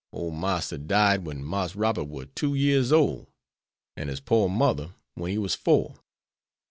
Ole Marster died when Marse Robert war two years ole, and his pore mother when he war four.